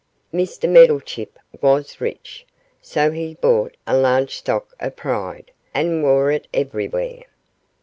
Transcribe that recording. Mr Meddlechip was rich, so he bought a large stock of pride, and wore it everywhere.